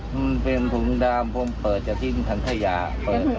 มันเป็นถุงดำพร้อมเปิดจากที่ถังทะยาเป็นถุงดำ